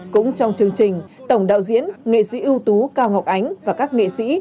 cũng trong chương trình tổng đạo diễn nghệ sĩ ưu tú cao ngọc ánh và các nghệ sĩ